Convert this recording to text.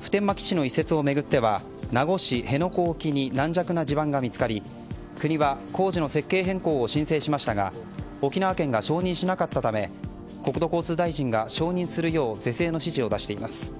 普天間基地の移設を巡っては名護市辺野古沖に軟弱な地盤が見つかり国は工事の設計変更を申請しましたが沖縄県が承認しなかったため国土交通大臣が承認するよう是正の指示を出しています。